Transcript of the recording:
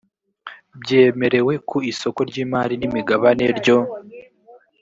byemerewe ku isoko ry imari n imigabane ryo